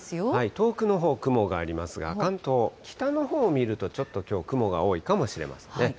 遠くのほう、雲がありますが、関東北のほう見ると、ちょっときょう、雲が多いかもしれませんね。